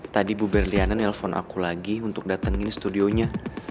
tadi bu berliana nelfon aku lagi untuk datangin studionya